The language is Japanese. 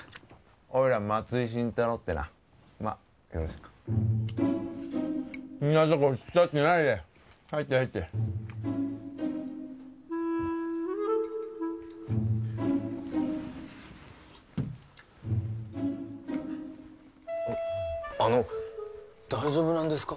おいら松井新太郎ってなまッよろしくそんなとこ突っ立ってないで入って入ってあの大丈夫なんですか？